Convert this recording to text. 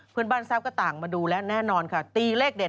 เพื่อนบ้านทราบก็ต่างมาดูแน่นอนค่ะตีเลขเด็ด